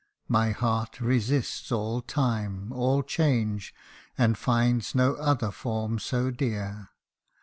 My heart resists all time all change, And finds no other form so dear.